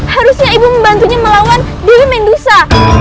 harusnya ibu membantunya melawan dulu mendusa